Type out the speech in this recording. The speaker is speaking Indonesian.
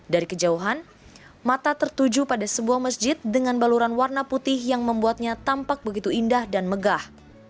dari kejauhan mata tertuju pada sebuah masjid dengan baluran warna putih yang membuatnya tampak begitu indah dan megah